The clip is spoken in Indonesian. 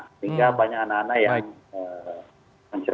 sehingga banyak anak anak yang mencerita